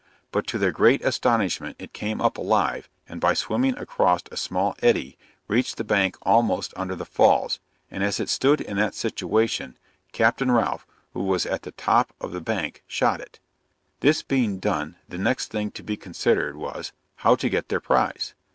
But to their great astonishment it came up alive, and by swimming across a small eddy, reached the bank almost under the falls; and as it stood in that situation, Capt. Ralph, who was on the top of the bank, shot it. This being done, the next thing to be considered was, how to get their prize.